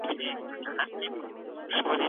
خالد احمد حيدري خواجه محمد رغبت